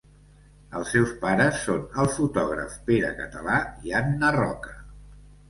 Els seus pares són el fotògraf Pere Català i Anna Roca.